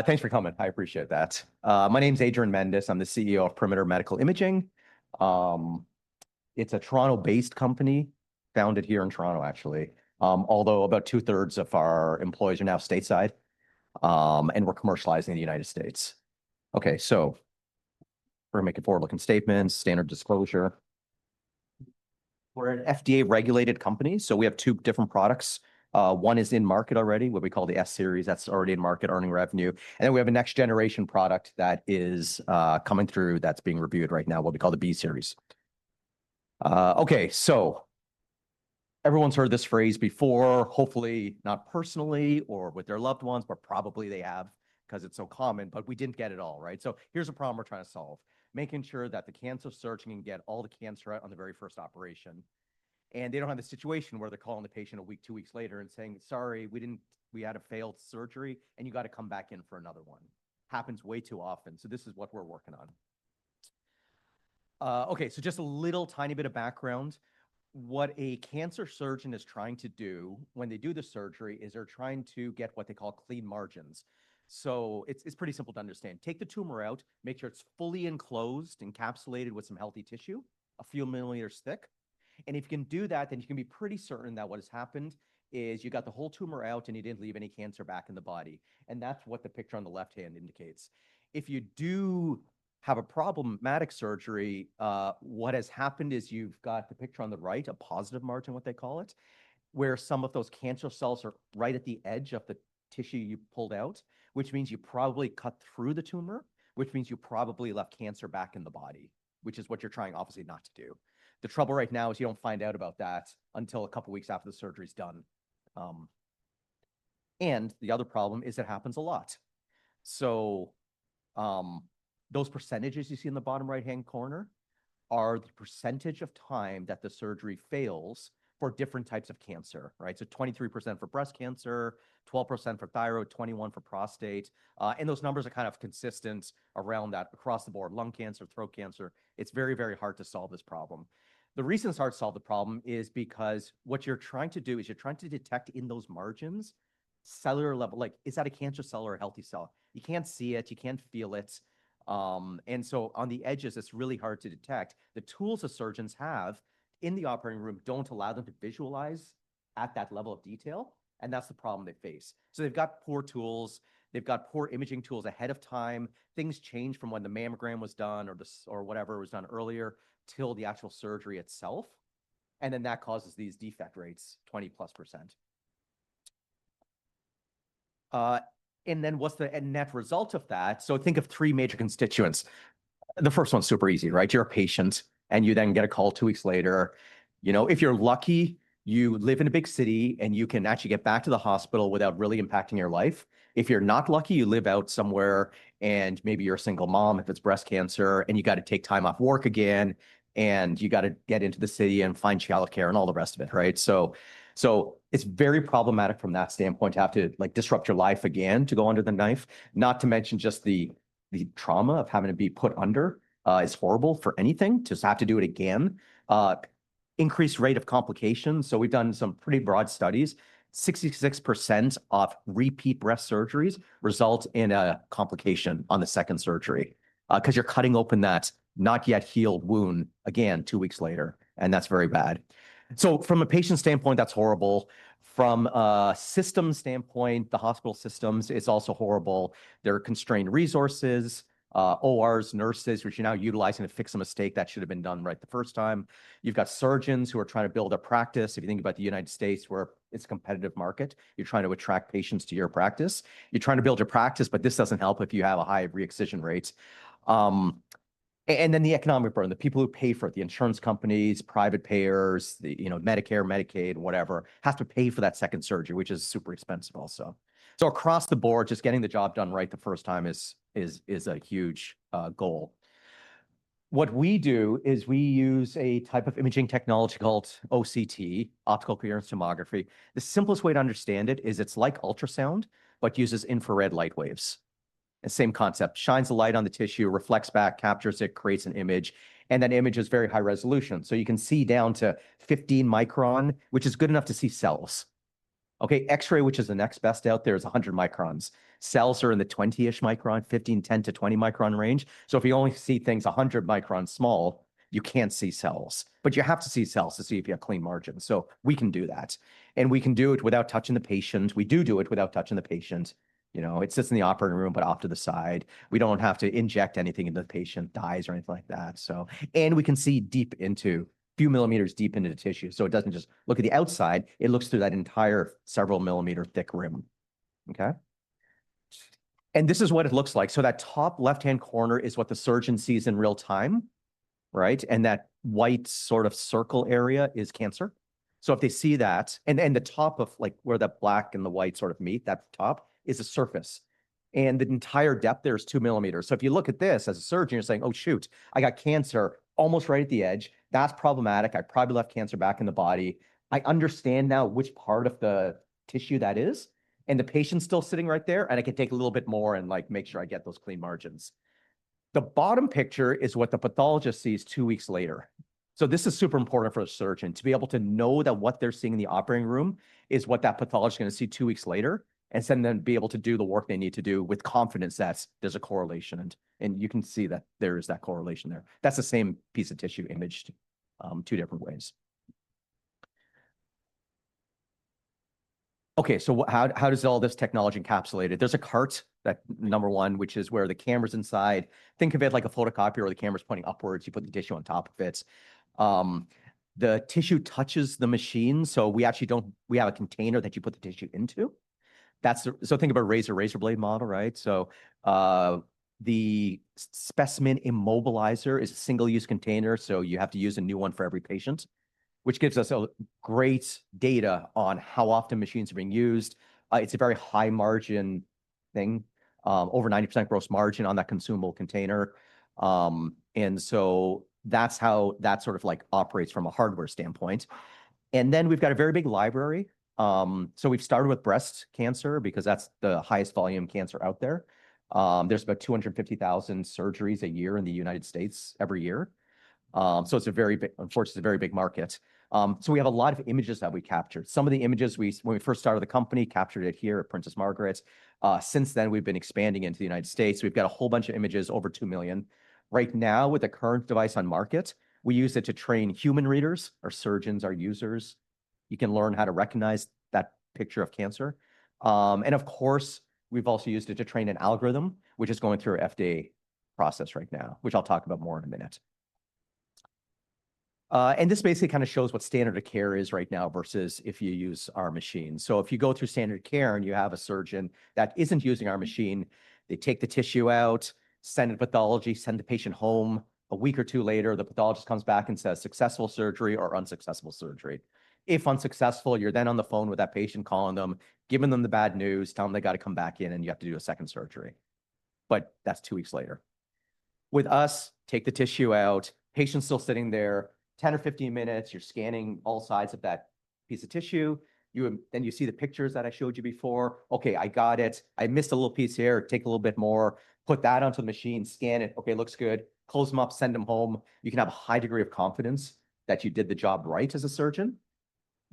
Thanks for coming. I appreciate that. My name's Adrian Mendes. I'm the CEO of Perimeter Medical Imaging. It's a Toronto-based company founded here in Toronto, actually, although about two thirds of our employees are now stateside, and we' commercializing in the United States. Okay, so we're making forward-looking statements, standard disclosure. We're an FDA-regulated company, so we have two different products. One is in market already, what we call the S-Series. That's already in market earning revenue. Then we have a next generation product that is coming through that's being reviewed right now, what we call the B-Series. Okay, so everyone's heard this phrase before, hopefully not personally or with their loved ones, but probably they have because it's so common. We didn't get it all right. So here's a problem we're trying to solve, making sure that the cancer surgeon can get all the cancer out on the very first operation, and they don't have the situation where they're calling the patient a week, two weeks later and saying, "Sorry, we didn't. We had a failed surgery, and you got to come back in for another one." Happens way too often, so this is what we're working on. Okay, so just a little tiny bit of background. What a cancer surgeon is trying to do when they do the surgery is they're trying to get what they call clean margins, so it's pretty simple to understand. Take the tumor out, make sure it's fully enclosed, encapsulated with some healthy tissue, a few millimeters thick. If you can do that, then you can be pretty certain that what has happened is you got the whole tumor out, and you didn't leave any cancer back in the body. That's what the picture on the left hand indicates. If you do have a problematic surgery, what has happened is you've got the picture on the right, a positive margin, what they call it, where some of those cancer cells are right at the edge of the tissue you pulled out, which means you probably cut through the tumor, which means you probably left cancer back in the body, which is what you're trying, obviously, not to do. The trouble right now is you don't find out about that until a couple of weeks after the surgery is done. The other problem is it happens a lot. So those percentages you see in the bottom right-hand corner are the percentage of time that the surgery fails for different types of cancer, right? So 23% for breast cancer, 12% for thyroid, 21% for prostate. Those numbers are kind of consistent around that across the board: lung cancer, throat cancer. It's very, very hard to solve this problem. The reason it's hard to solve the problem is because what you're trying to do is you're trying to detect in those margins cellular level, like, is that a cancer cell or a healthy cell? You can't see it. You can't feel it. On the edges, it's really hard to detect. The tools that surgeons have in the operating room don't allow them to visualize at that level of detail. That's the problem they face. So they've got poor tools. They've got poor imaging tools ahead of time. Things change from when the mammogram was done, or whatever was done earlier, till the actual surgery itself. Then that causes these defect rates, 20% plus. Then what's the net result of that? So think of three major constituents. The first one's super easy, right? You're a patient, and you then get a call two weeks later. You know, if you're lucky, you live in a big city, and you can actually get back to the hospital without really impacting your life. If you're not lucky, you live out somewhere, and maybe you're a single mom if it's breast cancer, and you got to take time off work again, and you got to get into the city and find childcare and all the rest of it, right? So it's very problematic from that standpoint to have to, like, disrupt your life again to go under the knife, not to mention just the trauma of having to be put under is horrible for anything to have to do it again. Increased rate of complications. So we've done some pretty broad studies. 66% of repeat breast surgeries result in a complication on the second surgery because you're cutting open that not yet healed wound again two weeks later. That's very bad. So from a patient standpoint, that's horrible. From a system standpoint, the hospital systems is also horrible. There are constrained resources, ORs, nurses, which you're now utilizing to fix a mistake that should have been done right the first time. You've got surgeons who are trying to build a practice. If you think about the United States, where it's a competitive market, you're trying to attract patients to your practice. You're trying to build your practice, but this doesn't help if you have a high re-excision rate, and then the economic burden, the people who pay for it, the insurance companies, private payers, the, you know, Medicare, Medicaid, whatever, have to pay for that second surgery, which is super expensive also. So across the board, just getting the job done right the first time is a huge goal. What we do is we use a type of imaging technology called OCT, optical coherence tomography. The simplest way to understand it is it's like ultrasound, but uses infrared light waves, and same concept, shines a light on the tissue, reflects back, captures it, creates an image, and that image is very high resolution. So you can see down to 15 microns, which is good enough to see cells. Okay, X-ray, which is the next best out there, is 100 microns. Cells are in the 20-ish microns, 15, 10 to 20 microns range. So if you only see things 100 microns small, you can't see cells, but you have to see cells to see if you have clean margins. So we can do that, and we can do it without touching the patient. We do do it without touching the patient. You know, it sits in the operating room, but off to the side. We don't have to inject anything into the patient, dyes, or anything like that. So, and we can see deep into a few millimeters deep into the tissue. So it doesn't just look at the outside. It looks through that entire several millimeters thick rim. Okay. This is what it looks like. That top left-hand corner is what the surgeon sees in real time. Right? That white sort of circle area is cancer. If they see that, and then the top of like where the black and the white sort of meet, that top is a surface. The entire depth there is two millimeters. If you look at this as a surgeon, you're saying, "Oh, shoot, I got cancer almost right at the edge. That's problematic. I probably left cancer back in the body." I understand now which part of the tissue that is, and the patient's still sitting right there, and I can take a little bit more and like make sure I get those clean margins. The bottom picture is what the pathologist sees two weeks later. So this is super important for a surgeon to be able to know that what they're seeing in the operating room is what that pathologist is going to see two weeks later, and send them to be able to do the work they need to do with confidence that there's a correlation, and you can see that there is that correlation there. That's the same piece of tissue imaged two different ways. Okay, so how does all this technology encapsulate it? There's a cart that number one, which is where the camera's inside. Think of it like a photocopier, or the camera's pointing upwards. You put the tissue on top of it. The tissue touches the machine. So we actually don't. We have a container that you put the tissue into. So think of a razor blade model, right? So the Specimen Immobilizer is a single-use container. So you have to use a new one for every patient, which gives us great data on how often machines are being used. It's a very high margin thing, over 90% gross margin on that consumable container. And so that's how that sort of like operates from a hardware standpoint. Then we've got a very big library. So we've started with breast cancer, because that's the highest volume cancer out there. There's about 250,000 surgeries a year in the United States every year. So it's a very, unfortunately, it's a very big market. So we have a lot of images that we capture. Some of the images we, when we first started the company, captured it here at Princess Margaret. Since then, we've been expanding into the United States. We've got a whole bunch of images, over 2 million right now with the current device on market. We use it to train human readers, our surgeons, our users. You can learn how to recognize that picture of cancer. Of course, we've also used it to train an algorithm which is going through our FDA process right now, which I'll talk about more in a minute, and this basically kind of shows what standard of care is right now versus if you use our machine, so if you go through standard of care and you have a surgeon that isn't using our machine, they take the tissue out, send it to pathology, send the patient home. A week or two later, the pathologist comes back and says, "Successful surgery or unsuccessful surgery." If unsuccessful, you're then on the phone with that patient, calling them, giving them the bad news, telling them they got to come back in, and you have to do a second surgery. That's two weeks later. With us, take the tissue out, patient still sitting there 10 or 15 min. You're scanning all sides of that piece of tissue. You see the pictures that I showed you before. Okay, I got it. I missed a little piece here. Take a little bit more, put that onto the machine, scan it. Okay, looks good. Close them up, send them home. You can have a high degree of confidence that you did the job right as a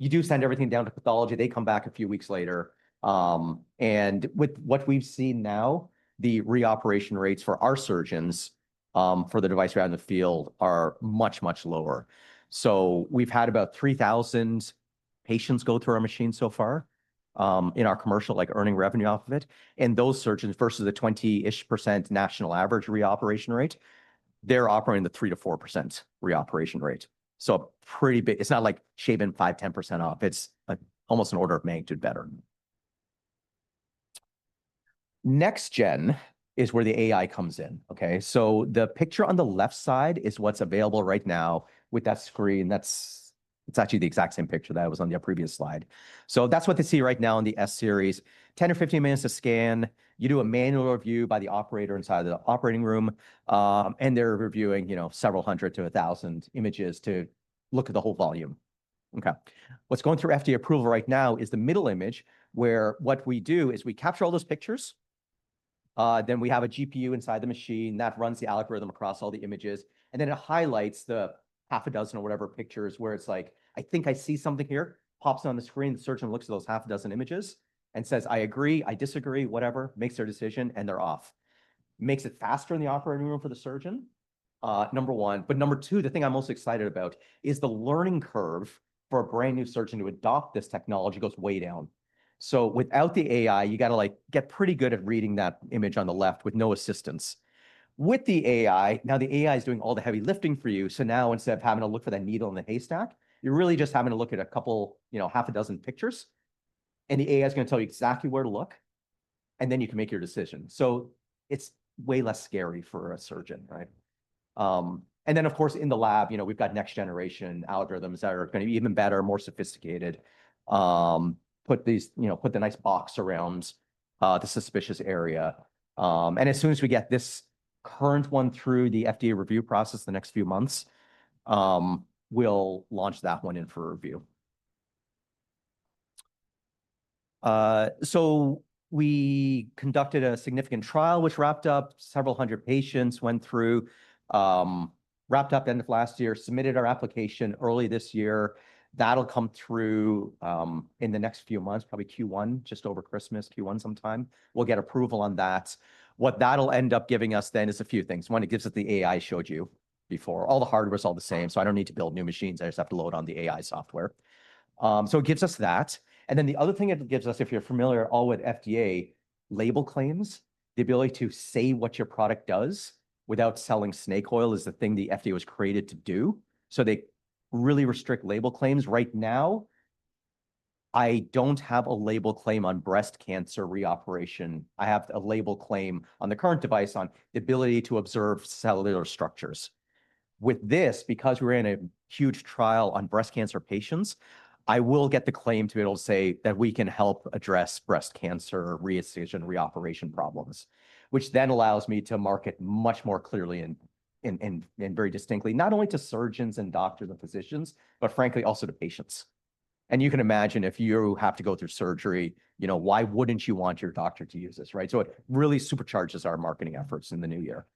surgeon. You do send everything down to pathology. They come back a few weeks later. With what we've seen now, the re-operation rates for our surgeons for the device around the field are much, much lower. So we've had about 3,000 patients go through our machine so far in our commercial, like earning revenue off of it. Those surgeons, versus the 20-ish% national average re-operation rate, are operating at a 3-4% re-operation rate. It is pretty big. It is not like shaving 5-10% off. It is almost an order of magnitude better. Next-gen is where the AI comes in. Okay, the picture on the left side is what is available right now with that screen. That is actually the exact same picture that was on the previous slide. That is what they see right now in the S-Series. 10 or 15 min to scan. You do a manual review by the operator inside of the operating room, and they are reviewing, you know, several hundred to a thousand images to look at the whole volume. Okay, what is going through FDA approval right now is the middle image, where what we do is we capture all those pictures. Then we have a GPU inside the machine that runs the algorithm across all the images, and then it highlights the half a dozen or whatever pictures where it's like, "I think I see something here," pops on the screen. The surgeon looks at those half a dozen images and says, "I agree, I disagree," whatever makes their decision, and they're off. Makes it faster in the operating room for the surgeon. Number one. Number two, the thing I'm most excited about is the learning curve for a brand new surgeon to adopt this technology goes way down. So without the AI, you got to like get pretty good at reading that image on the left with no assistance with the AI. Now the AI is doing all the heavy lifting for you. So now, instead of having to look for that needle in the haystack, you're really just having to look at a couple, you know, half a dozen pictures. The AI is going to tell you exactly where to look. Then you can make your decision. So it's way less scary for a surgeon, right? Then, of course, in the lab, you know, we've got next generation algorithms that are going to be even better, more sophisticated. Put the nice box around the suspicious area. As soon as we get this current one through the FDA review process the next few months, we'll launch that one in for review. So we conducted a significant trial which wrapped up several hundred patients, wrapped up end of last year, submitted our application early this year. That'll come through in the next few months, probably Q1, just over Christmas, Q1 sometime. We'll get approval on that. What that'll end up giving us then is a few things. One, it gives us the AI showed you before. All the hardware is all the same. So I don't need to build new machines. I just have to load on the AI software. So it gives us that. Then the other thing it gives us, if you're familiar all with FDA label claims, the ability to say what your product does without selling snake oil is the thing the FDA was created to do. So they really restrict label claims right now. I don't have a label claim on breast cancer re-operation. I have a label claim on the current device on the ability to observe cellular structures. With this, because we're in a huge trial on breast cancer patients, I will get the claim to be able to say that we can help address breast cancer re-excision, re-operation problems, which then allows me to market much more clearly and very distinctly, not only to surgeons and doctors and physicians, but frankly, also to patients. You can imagine, if you have to go through surgery, you know, why wouldn't you want your doctor to use this? Right? So it really supercharges our marketing efforts in the new year.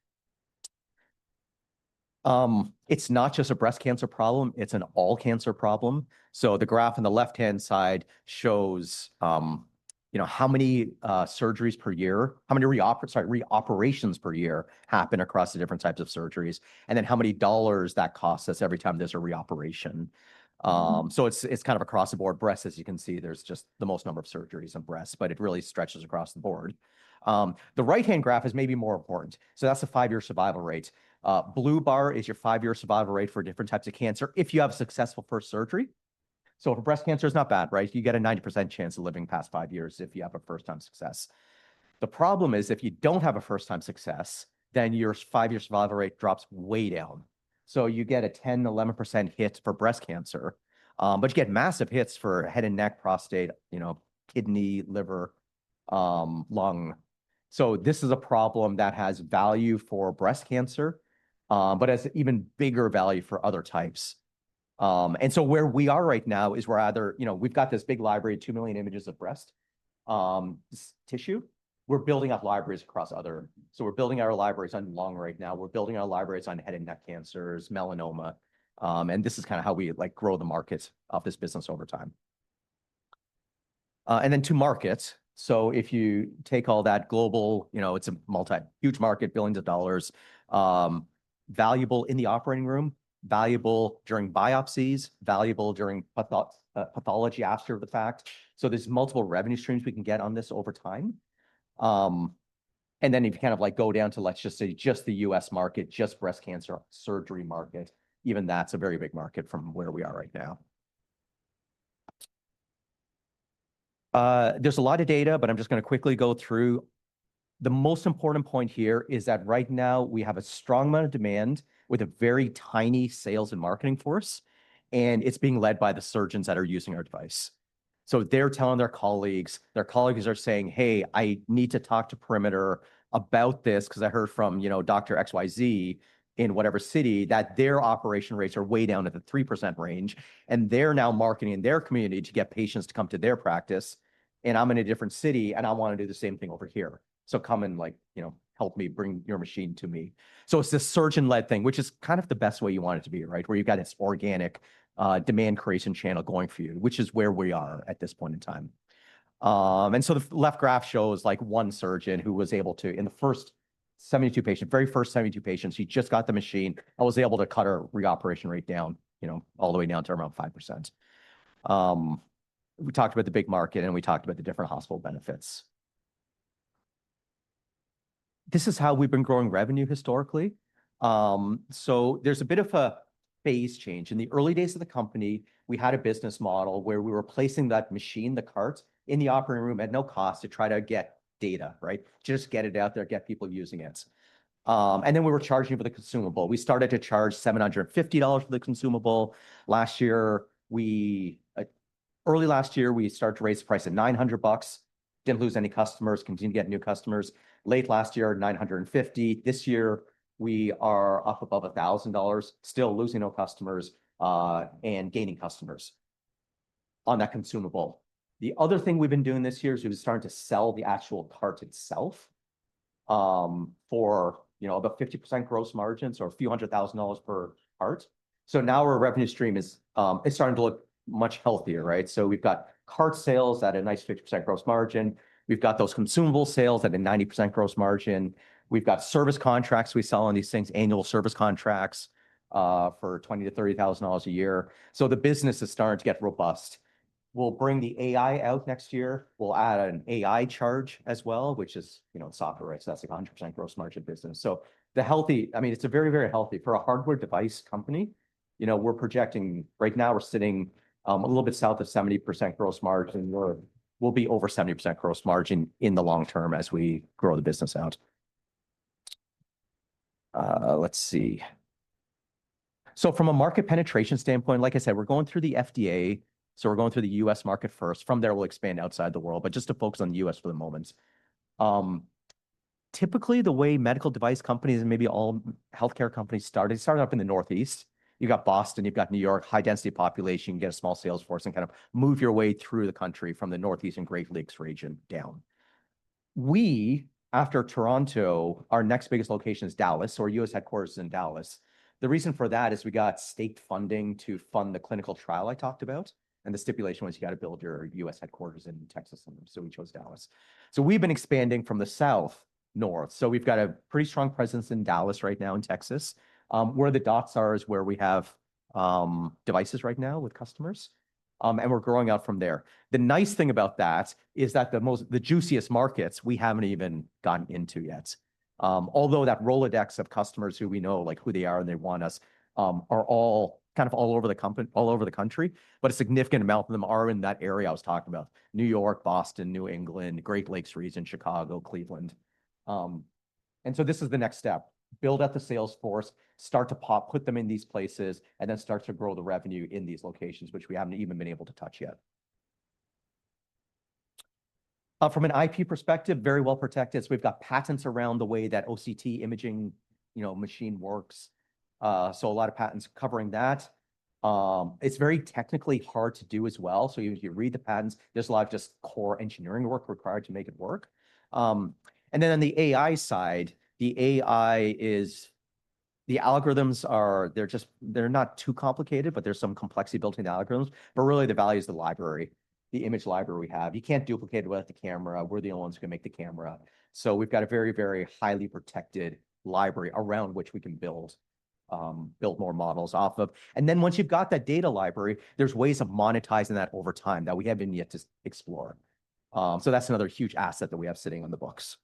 It's not just a breast cancer problem. It's an all cancer problem. So the graph on the left-hand side shows, you know, how many surgeries per year, how many re-operations per year happen across the different types of surgeries, and then how many dollars that costs us every time there's a re-operation. So it's kind of across the board. Breast, as you can see, there's just the most number of surgeries and breasts, but it really stretches across the board. The right-hand graph is maybe more important. So that's a 5-year survival rate. Blue bar is your 5-year survival rate for different types of cancer if you have successful first surgery. So for breast cancer, it's not bad, right? You get a 90% chance of living past 5 years if you have a first-time success. The problem is, if you don't have a first-time success, then your 5-year survival rate drops way down. So you get a 10%-11% hit for breast cancer. But you get massive hits for head and neck, prostate, you know, kidney, liver, lung. So this is a problem that has value for breast cancer, but has even bigger value for other types. Where we are right now is we're either, you know, we've got this big library, 2 million images of breast tissue. We're building up libraries across other. So we're building our libraries on lung right now. We're building our libraries on head and neck cancers, melanoma. This is kind of how we like grow the markets of this business over time. Then to markets. So if you take all that global, you know, it's a multi-billion market, billions of dollars, valuable in the operating room, valuable during biopsies, valuable during pathology after the fact. So there's multiple revenue streams we can get on this over time. And then if you kind of like go down to, let's just say, just the U.S. market, just breast cancer surgery market, even that's a very big market from where we are right now. There's a lot of data, but I'm just going to quickly go through. The most important point here is that right now we have a strong amount of demand with a very tiny sales and marketing force, and it's being led by the surgeons that are using our device. So they're telling their colleagues, their colleagues are saying, "Hey, I need to talk to Perimeter about this, because I heard from, you know, Dr. XYZ in whatever city that their operation rates are way down at the 3% range, and they're now marketing in their community to get patients to come to their practice. I'm in a different city, and I want to do the same thing over here. So come and like, you know, help me bring your machine to me. It's this surgeon-led thing, which is kind of the best way you want it to be, right? Where you've got this organic demand creation channel going for you, which is where we are at this point in time. So the left graph shows like one surgeon who was able to, in the first 72 patients, very first 72 patients, he just got the machine and was able to cut our re-operation rate down, you know, all the way down to around 5%. We talked about the big market, and we talked about the different hospital benefits. This is how we've been growing revenue historically. So there's a bit of a phase change. In the early days of the company, we had a business model where we were placing that machine, the cart in the operating room at no cost to try to get data, right? Just get it out there, get people using it. And then we were charging for the consumable. We started to charge $750 for the consumable last year. Early last year, we started to raise the price at $900, didn't lose any customers, continued to get new customers. Late last year, $950. This year we are up above $1,000, still losing no customers and gaining customers on that consumable. The other thing we've been doing this year is we've been starting to sell the actual cart itself for, you know, about 50% gross margins or a few hundred thousand dollars per cart. So now our revenue stream is starting to look much healthier, right? So we've got cart sales at a nice 50% gross margin. We've got those consumable sales at a 90% gross margin. We've got service contracts. We sell on these things, annual service contracts for $20,000-$30,000 a year. So the business is starting to get robust. We'll bring the AI out next year. We'll add an AI charge as well, which is, you know, software, right? So that's a 100% gross margin business. So the healthy, I mean, it's a very, very healthy for a hardware device company. You know, we're projecting right now, we're sitting a little bit south of 70% gross margin. We'll be over 70% gross margin in the long term as we grow the business out. Let's see. So from a market penetration standpoint, like I said, we're going through the FDA. So we're going through the U.S. market first. From there, we'll expand outside the world. But just to focus on the U.S. for the moment. Typically, the way medical device companies and maybe all healthcare companies started up in the Northeast. You've got Boston. You've got New York, high-density population. You get a small sales force and kind of move your way through the country from the Northeast and Great Lakes region down. We, after Toronto, our next biggest location is Dallas, so our U.S. headquarters is in Dallas. The reason for that is we got state funding to fund the clinical trial I talked about, and the stipulation was you got to build your U.S. headquarters in Texas, and so we chose Dallas, so we've been expanding from the South north. So we've got a pretty strong presence in Dallas right now in Texas. Where the dots are is where we have devices right now with customers, and we're growing out from there. The nice thing about that is that the most, the juiciest markets we haven't even gotten into yet. Although that Rolodex of customers who we know, like who they are and they want us, are all kind of all over the country, all over the country, but a significant amount of them are in that area I was talking about, New York, Boston, New England, Great Lakes region, Chicago, Cleveland. So this is the next step. Build up the sales force, start to populate, put them in these places, and then start to grow the revenue in these locations, which we haven't even been able to touch yet. From an IP perspective, very well protected. So we've got patents around the way that OCT imaging, you know, machine works. So a lot of patents covering that. It's very technically hard to do as well. So you read the patents. There's a lot of just core engineering work required to make it work, and then on the AI side, the AI is, the algorithms are, they're just, they're not too complicated, but there's some complexity built in the algorithms, but really, the value is the library, the image library we have. You can't duplicate it with the camera. We're the only ones who can make the camera, so we've got a very, very highly protected library around which we can build, build more models off of, and then once you've got that data library, there's ways of monetizing that over time that we haven't yet explored, so that's another huge asset that we have sitting on the books.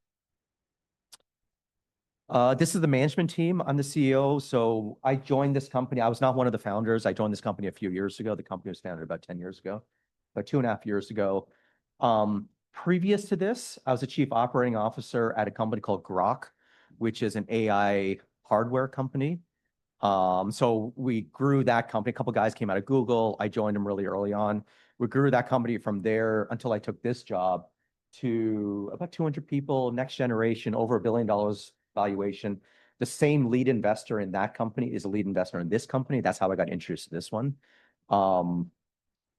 This is the management team. I'm the CEO, so I joined this company. I was not one of the founders. I joined this company a few years ago. The company was founded about 10 years ago, about two and a half years ago. Previous to this, I was a chief operating officer at a company called Groq, which is an AI hardware company. So we grew that company. A couple of guys came out of Google. I joined them really early on. We grew that company from there until I took this job to about 200 people, next generation, over a $1 billion valuation. The same lead investor in that company is a lead investor in this company. That's how I got introduced to this one.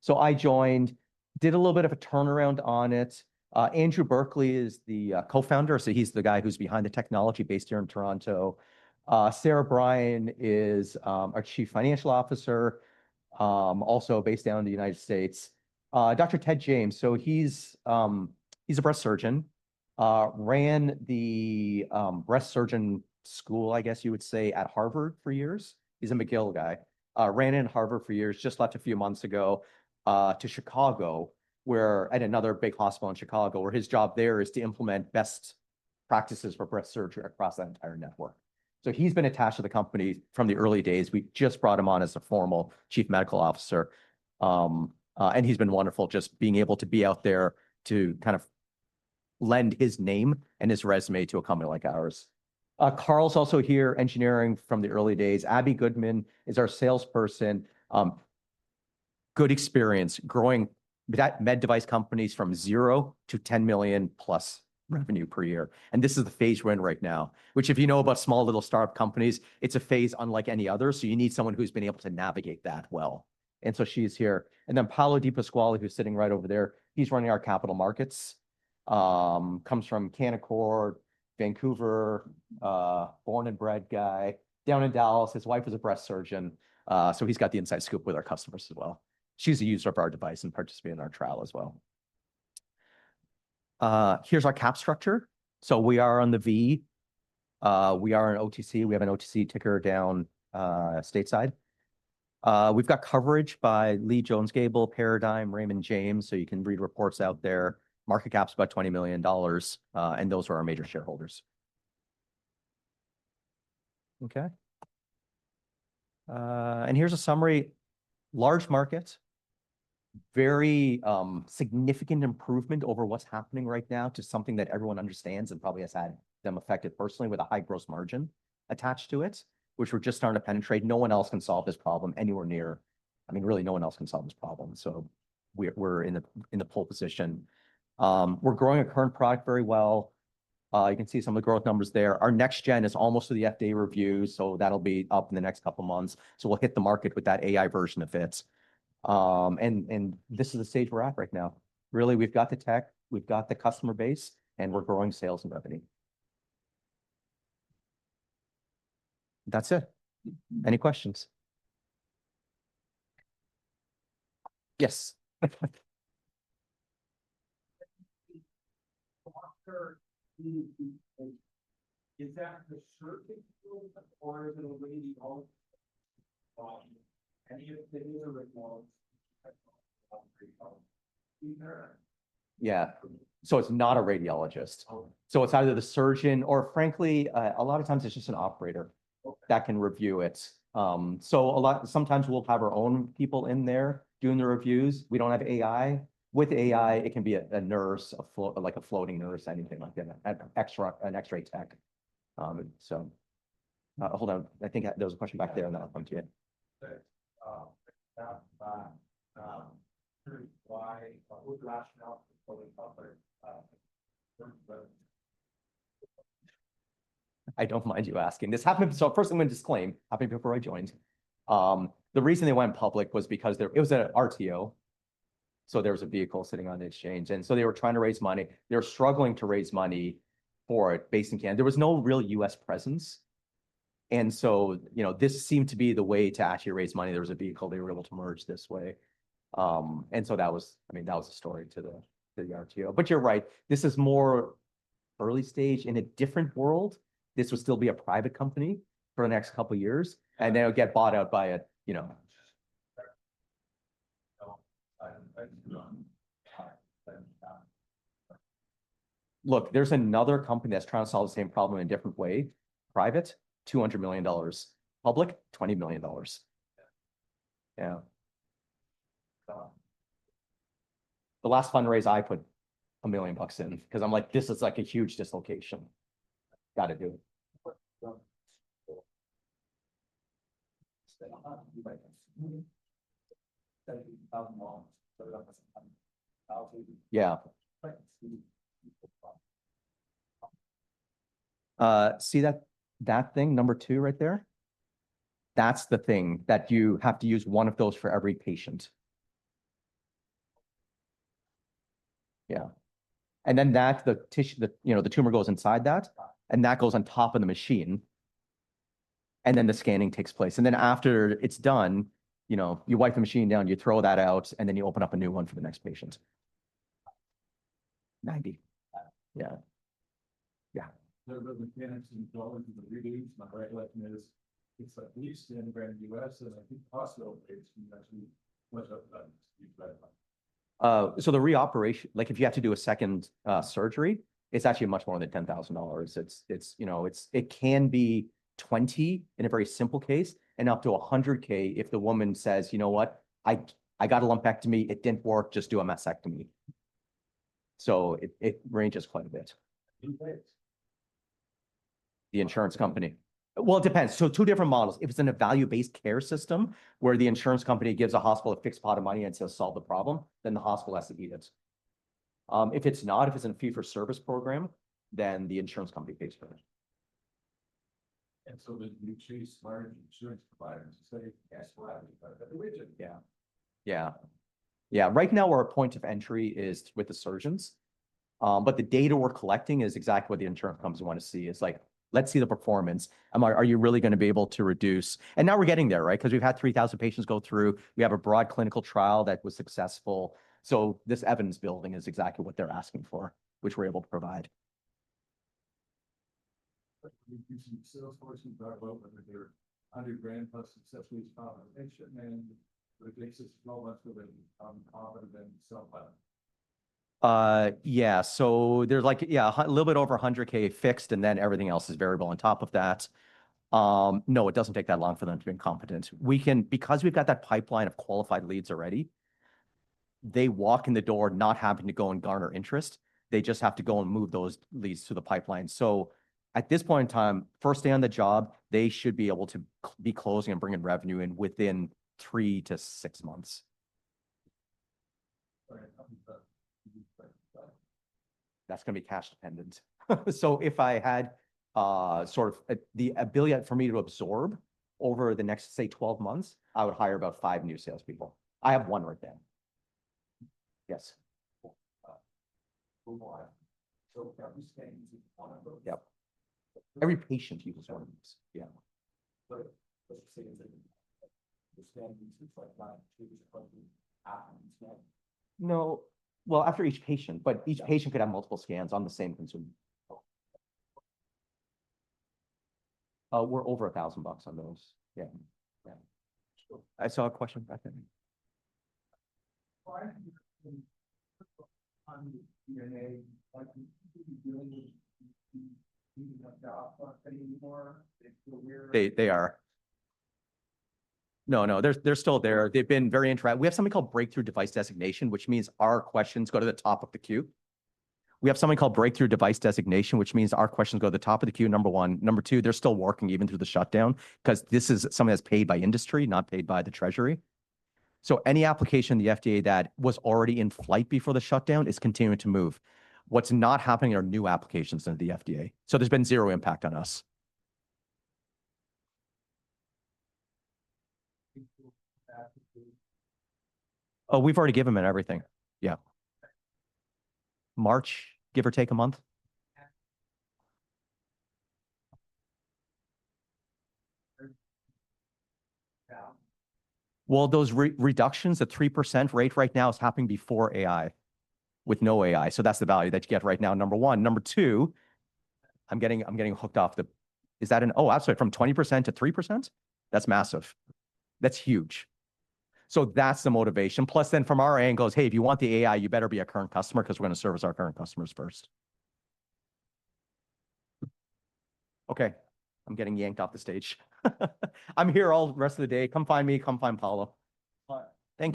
So I joined, did a little bit of a turnaround on it. Andrew Berkeley is the Co-Founder. So he's the guy who's behind the technology based here in Toronto. Sarah Bryan is our Chief Financial Officer, also based down in the United States. Dr. Ted James. So he's a breast surgeon, ran the breast surgeon school. I guess you would say, at Harvard for years. He's a McGill guy, ran it at Harvard for years, just left a few months ago to Chicago, where at another big hospital in Chicago, where his job there is to implement best practices for breast surgery across the entire network. So he's been attached to the company from the early days. We just brought him on as a formal Chief Medical Officer. And he's been wonderful, just being able to be out there to kind of lend his name and his resume to a company like ours. Carl's also here, engineering from the early days. Abbey Goodman is our salesperson. Good experience growing that med device companies from $0 to $10 million-plus revenue per year. This is the phase we're in right now, which if you know about small little startup companies, it's a phase unlike any other. So you need someone who's been able to navigate that well. So she's here. Then Paolo DiPasquale, who's sitting right over there, he's running our capital markets. Comes from Canaccord, Vancouver, born and bred guy, down in Dallas. His wife is a breast surgeon. So he's got the inside scoop with our customers as well. She's a user of our device and participated in our trial as well. Here's our cap structure. So we are on the V. We are an OTC. We have an OTC ticker down stateside. We've got coverage by Leede Jones Gable, Paradigm, Raymond James. So you can read reports out there. Market cap's about $20 million. Those are our major shareholders. Okay. Here's a summary. Large market, very significant improvement over what's happening right now to something that everyone understands and probably has had them affected personally with a high gross margin attached to it, which we're just starting to penetrate. No one else can solve this problem anywhere near. I mean, really, no one else can solve this problem. So we're in the pole position. We're growing a current product very well. You can see some of the growth numbers there. Our next gen is almost to the FDA review. So that'll be up in the next couple of months. So we'll hit the market with that AI version of it. And this is the stage we're at right now. Really, we've got the tech, we've got the customer base, and we're growing sales and revenue. That's it. Any questions? Yes. Is that the surgeon who acquires and willingly helps? Any opinions or reports? Yeah. So it's not a radiologist. So it's either the surgeon or, frankly, a lot of times it's just an operator that can review it. So a lot, sometimes we'll have our own people in there doing the reviews. We don't have AI. With AI, it can be a nurse, like a floating nurse, anything like that, an X-ray tech. So hold on. I think there was a question back there and that'll come to you. I don't mind you asking. This happened. So first, I'm going to disclaim. Happened before I joined. The reason they went public was because it was an RTO. So there was a vehicle sitting on the exchange. So they were trying to raise money. They were struggling to raise money for it based in Canada. There was no real U.S. presence. So, you know, this seemed to be the way to actually raise money. There was a vehicle they were able to merge this way. So that was, I mean, that was a story to the RTO. You're right. This is more early stage in a different world. This would still be a private company for the next couple of years. Then it'll get bought out by a, you know. Look, there's another company that's trying to solve the same problem in a different way. Private, $200 million. Public. $20 million. Yeah. The last fundraiser, I put $1 million in because I'm like, this is like a huge dislocation. Got to do it. Yeah. See that thing, number two right there? That's the thing that you have to use one of those for every patient. Yeah. Then that's the tissue, you know, the tumor goes inside that, and that goes on top of the machine. Then the scanning takes place. Then after it's done, you know, you wipe the machine down, you throw that out, and then you open up a new one for the next patient. Yeah. So the reoperation, like if you have to do a second surgery, it's actually much more than $10,000. It's, you know, it can be $20K in a very simple case and up to $100K if the woman says, you know what, I got a lumpectomy, it didn't work, just do a mastectomy. So it ranges quite a bit. The insurance company. It depends. Two different models. If it's in a value-based care system where the insurance company gives a hospital a fixed pot of money and says solve the problem, then the hospital has to eat it. If it's not, if it's in a fee-for-service program, then the insurance company pays for it and So we need to chase large insurance providers to say, yeah. Yeah. Yeah. Right now, our point of entry is with the surgeons, but the data we're collecting is exactly what the insurance companies want to see. It's like, let's see the performance. I'm like, are you really going to be able to reduce? Now we're getting there, right? Because we've had 3,000 patients go through. We have a broad clinical trial that was successful, so this evidence building is exactly what they're asking for, which we're able to provide. Sales force and Dartmouth, undergrad plus successfully spot on the patient and the basis of all much more than competent than self-value. Yeah. So there's like, yeah, a little bit over $100,000 fixed and then everything else is variable on top of that. No, it doesn't take that long for them to be competent. We can, because we've got that pipeline of qualified leads already. They walk in the door not having to go and garner interest. They just have to go and move those leads to the pipeline. So at this point in time, first day on the job, they should be able to be closing and bringing revenue in within three to six months. That's going to be cash dependent. So if I had sort of the ability for me to absorb over the next, say, 12 months, I would hire about five new salespeople. I have one right there. Yes. So every scan uses one of those. Yep. Every patient uses one of those. Yeah. But the same thing. The scan uses like not 2-20 apps now. No. Well, after each patient, but each patient could have multiple scans on the same consumable. We're over $1,000 on those. Yeah. Yeah. I saw a question back there. They are. No, no. They're still there. They've been very interactive. We have something called Breakthrough Device Designation, which means our questions go to the top of the queue. We have something called Breakthrough Device Designation, which means our questions go to the top of the queue, number one. Number two, they're still working even through the shutdown because this is something that's paid by industry, not paid by the treasury. So any application in the FDA that was already in flight before the shutdown is continuing to move. What's not happening are new applications into the FDA. So there's been zero impact on us. We've already given them everything. Yeah. March, give or take a month. Well, those reductions at 3% rate right now is happening before AI, with no AI. So that's the value that you get right now, number one. Number two, I'm getting hooked off the, is that an, oh, absolutely from 20% to 3%? That's massive. That's huge. So that's the motivation. Plus then from our angles, hey, if you want the AI, you better be a current customer because we're going to service our current customers first. Okay. I'm getting yanked off the stage. I'm here all the rest of the day. Come find me, come find Paolo. Thank you.